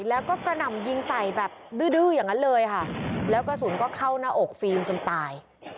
แล้วก็กระหน่ำยิงใส่แบบดื้ออย่างนั้นเลยค่ะแล้วกระสุนก็เข้าหน้าอกฟิล์มจนตาย